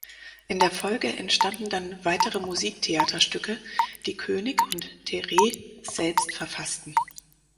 In der Folge entstanden dann weitere Musiktheater-Stücke, die König und te Reh selbst verfassten.